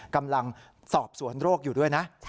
กำลังสอบสวนโรคอยู่ด้วยนะ